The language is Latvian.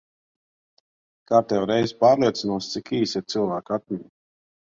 Kārtējo reizi pārliecinos, cik īsa ir cilvēku atmiņa.